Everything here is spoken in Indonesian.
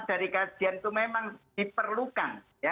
dari kajian itu memang diperlukan